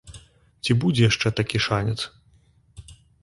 Ці будзе яшчэ такі шанец.